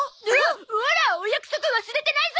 オラお約束忘れてないゾ！